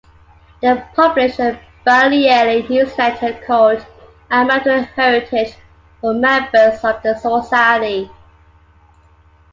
They publish a bi-yearly newsletter called "Our Mountain Heritage" for members of the society.